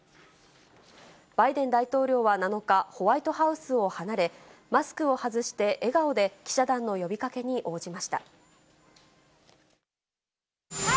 バイデン大統領は７日、ホワイトハウスを離れ、マスクを外して、笑顔で記者団の呼びかけに応じました。